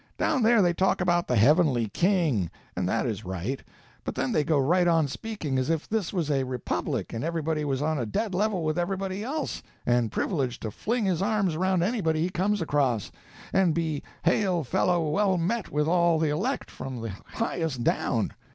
Down there they talk of the heavenly King—and that is right—but then they go right on speaking as if this was a republic and everybody was on a dead level with everybody else, and privileged to fling his arms around anybody he comes across, and be hail fellow well met with all the elect, from the highest down.